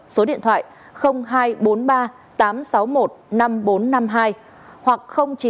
số điện thoại hai trăm bốn mươi ba tám trăm sáu mươi một năm nghìn bốn trăm năm mươi hai hoặc chín trăm sáu mươi sáu năm trăm bốn mươi ba sáu trăm bốn mươi sáu